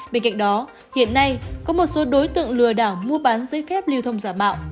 bên cạnh đó hiện nay có một số đối tượng lừa đảo mua bán giấy phép lưu thông giả mạo